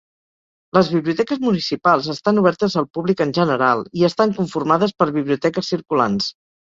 Les biblioteques municipals estan obertes al públic en general i estan conformades per biblioteques circulants.